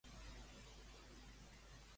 Com defineix en Maragall aquest possible acord?